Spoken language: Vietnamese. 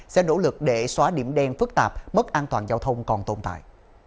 sẽ nỗ lực để xóa điểm đen phức tạp bất an toàn giao thông còn tồn tại